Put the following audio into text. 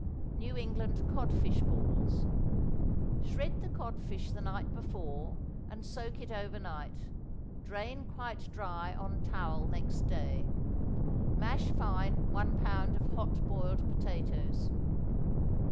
=New England Codfish Balls.= Shred the codfish the night before, and soak it over night; drain quite dry on towel next day. Mash fine one pound of hot boiled potatoes.